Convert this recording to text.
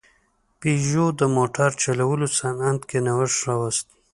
پيژو د موټر جوړولو صنعت کې نوښت راوست.